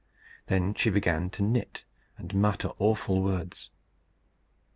Then she began to knit and mutter awful words.